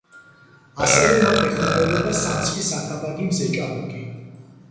ასევე მათ ეხმარებოდა სამცხის ათაბაგი მზეჭაბუკი.